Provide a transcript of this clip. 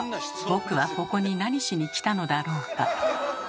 僕はここに何しに来たのだろうか。